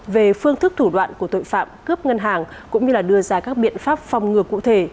về phương thức thủ đoạn của tội phạm cướp ngân hàng cũng như đưa ra các biện pháp phòng ngừa cụ thể